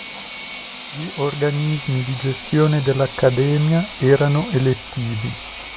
Gli organismi di gestione dell'Accademia erano elettivi.